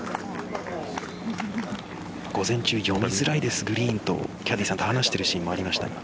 午前中読みづらいです、グリーンとキャディーさんと話しているシーンもありました。